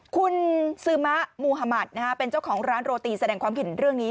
คุณซึมะมูฮามัติเป็นเจ้าของร้านโรตีแสดงความเห็นเรื่องนี้